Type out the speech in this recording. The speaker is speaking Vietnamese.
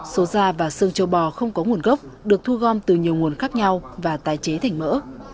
số da và sơn châu bò không có nguồn gốc được thu gom từ nhiều nguồn khác nhau và tái chế thành mỡ